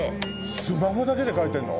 スマホだけで描いてんの？